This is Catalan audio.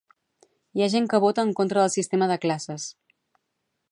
Hi ha gent que vota en contra del sistema de classes.